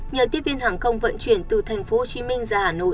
nhờ tiếp viên hàng không vận chuyển từ tp hcm ra hà nội